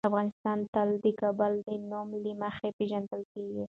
افغانستان تل د کابل د نوم له مخې پېژندل کېږي.